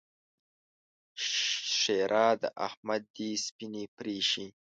ښېرا: د احمد دې سپينې پرې شي!